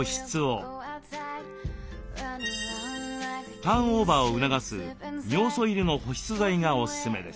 ターンオーバーを促す尿素入りの保湿剤がオススメです。